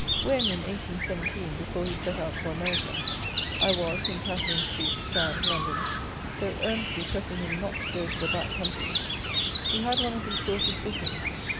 When, in 1817, before he set out for America, I was, in Catherine Street, Strand, London, so earnestly pressing him not to go to the back countries, he had one of these daughters with him.